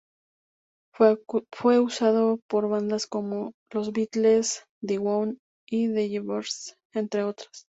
Fue usado por bandas como The Beatles, The Who y Yardbirds, entre otras.